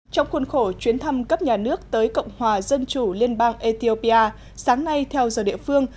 trong khuôn khổ chuyến thăm cấp nhà nước tới cộng hòa dân chủ liên bang ethiopia sáng nay theo giờ địa phương